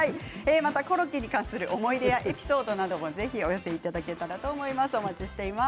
またコロッケに関する思い出やエピソードなどもぜひお寄せいただけたらと思います。